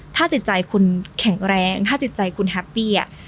ถ้าจิตใจคุณแข็งแรงถ้าจิตใจคุณแฮปปี้